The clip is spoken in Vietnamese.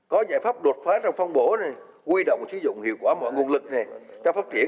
có giải pháp đột phá trong phong bổ huy động sử dụng hiệu quả mọi nguồn lực cho phát triển